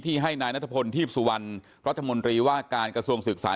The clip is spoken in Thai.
ให้นายนัทพลทีพสุวรรณรัฐมนตรีว่าการกระทรวงศึกษา